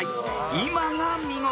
［今が見頃